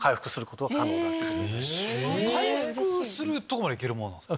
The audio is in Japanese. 回復するとこまで行けるもんなんですか？